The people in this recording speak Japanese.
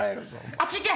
あっち行け！